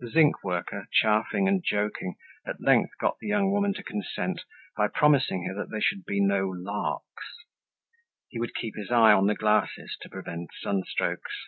The zinc worker, chaffing and joking, at length got the young woman to consent by promising her that there should be no larks. He would keep his eye on the glasses, to prevent sunstrokes.